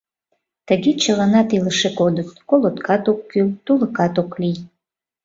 Тыге чыланат илыше кодыт, колоткат ок кӱл, тулыкат ок лий.